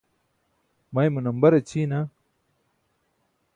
maymu nambar aćʰiina